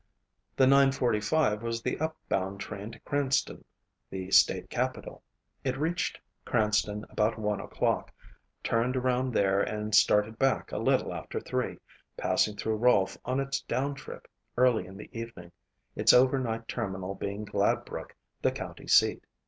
The nine forty five was the upbound train to Cranston, the state capital. It reached Cranston about one o'clock, turned around there and started back a little after three, passing through Rolfe on its down trip early in the evening, its over night terminal being Gladbrook, the county seat.